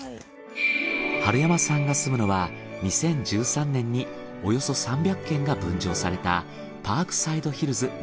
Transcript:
春山さんが住むのは２０１３年におよそ３００軒が分譲された。